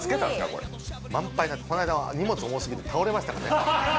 これ満杯だったこの間は荷物重すぎて倒れましたからね